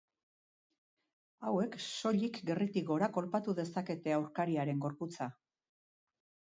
Hauek soilik gerritik gora kolpatu dezakete aurkariaren gorputza.